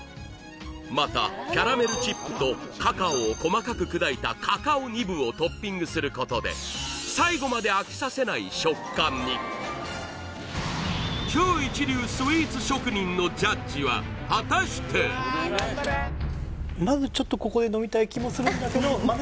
またキャラメルチップとカカオを細かく砕いたカカオニブをトッピングすることで最後まで飽きさせない食感に果たしてまずちょっとなんですけどもと思います